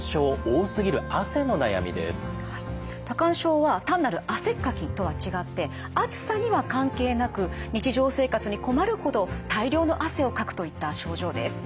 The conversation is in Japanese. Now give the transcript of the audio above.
多汗症は単なる汗っかきとは違って暑さには関係なく日常生活に困るほど大量の汗をかくといった症状です。